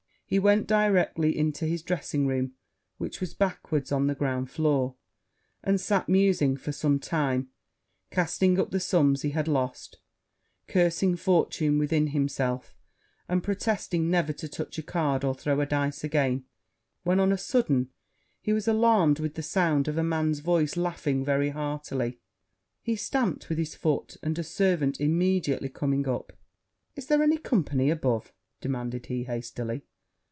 He went directly into his dressing room, which was backwards on the ground floor, and sat musing for some time, casting up the sums he had lost, cursing fortune within himself, and protesting never to touch a card or throw a dice again; when, on a sudden, he was alarmed with the sound of a man's voice laughing very heartily; he stamped with his foot; and a servant immediately coming up, 'Is there any company above?' demanded he, hastily.